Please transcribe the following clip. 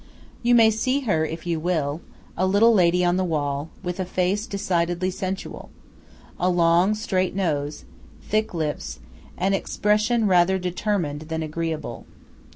You may see her, if you will, a little lady on the wall, with a face decidedly sensual a long, straight nose, thick lips, an expression rather determined than agreeable.